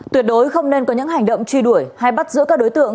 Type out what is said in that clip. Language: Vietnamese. tuyệt đối không nên có những hành động truy đuổi hay bắt giữ các đối tượng